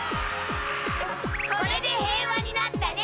これで平和になったね！